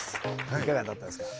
いかがだったですか？